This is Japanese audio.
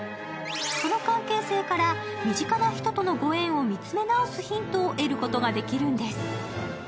その関係性から身近な人とのご縁を見つめ直すヒントを得ることができるんです。